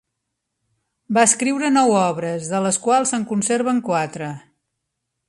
Va escriure nou obres de les quals se'n conserven quatre.